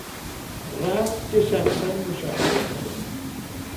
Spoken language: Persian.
رفت که شخصا مشاهده کند.